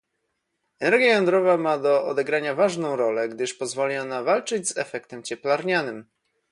Energia jądrowa ma do odegrania ważną rolę, gdyż pozwoli ona walczyć z efektem cieplarnianym